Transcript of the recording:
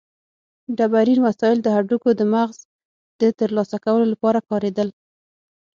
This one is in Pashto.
ډبرین وسایل د هډوکو د مغزو د ترلاسه کولو لپاره کارېدل.